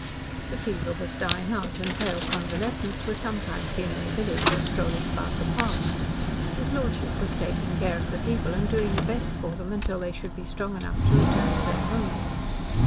The fever was dying out and pale convalescents were sometimes seen in the village or strolling about the park. His lordship was taking care of the people and doing his best for them until they should be strong enough to return to their homes.